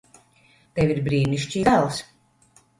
Tev ir brīnišķīgs dēls.